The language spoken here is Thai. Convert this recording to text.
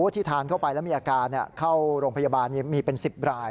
ที่ทานเข้าไปแล้วมีอาการเข้าโรงพยาบาลมีเป็น๑๐ราย